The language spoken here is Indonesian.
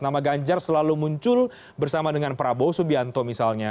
nama ganjar selalu muncul bersama dengan prabowo subianto misalnya